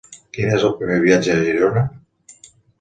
Quin és el primer viatge a Girona?